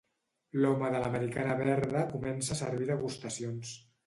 L'home de l'americana verda comença a servir degustacions.